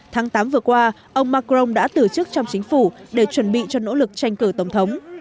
tháng tám vừa qua ông macron đã từ chức trong chính phủ để chuẩn bị cho nỗ lực tranh cử tổng thống